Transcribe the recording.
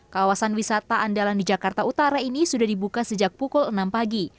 kawasan wisata andalan di jakarta utara ini sudah dibuka sejak pukul enam pagi